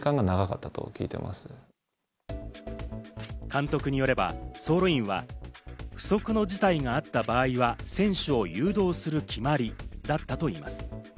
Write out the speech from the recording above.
監督によれば走路員は不測の事態があった場合は選手を誘導する決まりだったと言います。